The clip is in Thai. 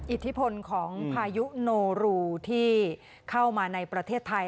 อิทธิพลของพายุโนรูที่เข้ามาในประเทศไทย